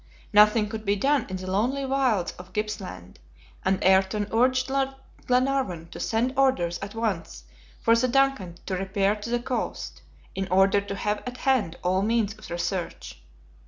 Nothing could be done in the lonely wilds of Gippsland, and Ayrton urged Lord Glenarvan to send orders at once for the DUNCAN to repair to the coast, in order to have at hand all means of research.